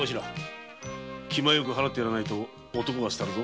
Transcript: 気前よく払ってやらねば男が廃るぞ。